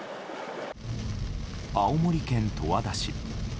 青森県十和田市。